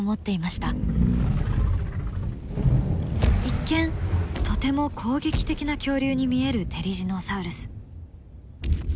一見とても攻撃的な恐竜に見えるテリジノサウルス。